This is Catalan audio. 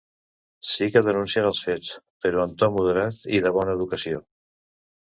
Sí que es denuncien els fets, però en to moderat i de bona educació.